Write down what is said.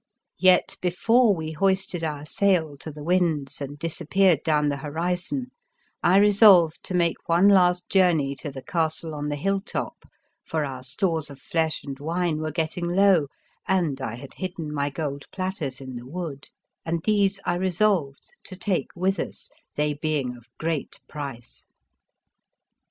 Yet, before we hoisted our sail to the winds and disappeared down the horizon, I resolved to make one last journey to the castle on the hill top, for our stores of flesh and wine were getting low, and I had hidden my gold platters in the wood; and these I re solved to take with us, they being of great price.